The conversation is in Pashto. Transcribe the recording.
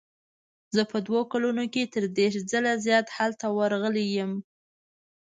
زه په دوو کلونو کې تر دېرش ځله زیات هلته ورغلی یم.